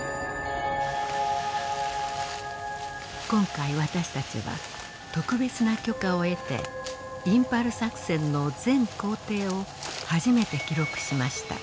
今回私たちは特別な許可を得てインパール作戦の全行程を初めて記録しました。